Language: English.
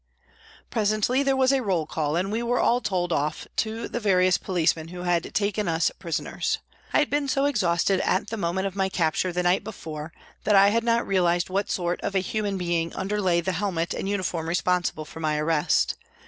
Presently there was a roll call and we were all told off to the various policemen who had taken us prisoners. I had been so exhausted at the moment of my capture the night before that I had not realised what sort of a human being underlay the helmet and uniform responsible for my arrest.